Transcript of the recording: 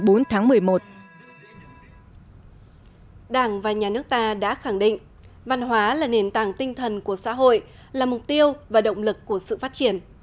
đảng và nhà nước ta đã khẳng định văn hóa là nền tảng tinh thần của xã hội là mục tiêu và động lực của sự phát triển